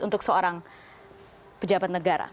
untuk seorang pejabat negara